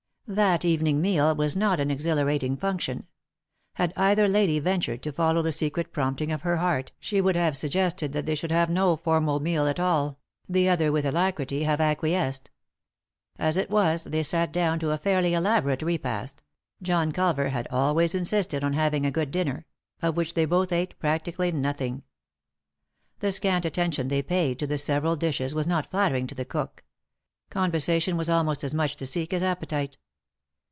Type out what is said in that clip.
That evening meal was not an exhilarating function. Had either lady ventured to follow the secret prompting of her heart she would have suggested that they should have no formal meal at all ; the other would with alacrity have acquiesced. As it was, they sat down to a fairly elaborate repast — John Culver had always insisted on having a good dinner — of which they both ate practically nothing. The scant attention they paid to the several dishes was not nattering to the cook. Conversation was almost as much to seek as appetite.